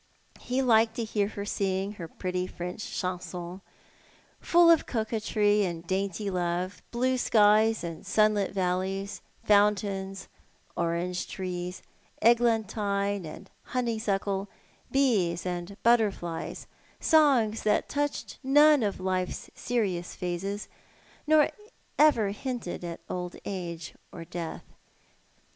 He liked to hear her sing her pretty French chansons, full of coquetry and dainty love, blue skies aud sunlit valleys, fountains, orange trees, eglantine and honeysuckle, bees aud butterllics, songs that touched none of life's serious phases, nor ever hinted at old age or death.